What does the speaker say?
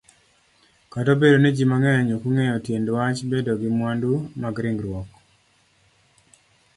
Kataobedo niji mang'eny okong'eyo tiendwach bedogi mwandu magringruok